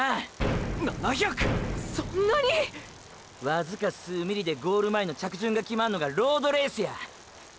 わずか数ｍｍでゴール前の着順が決まんのがロードレースや。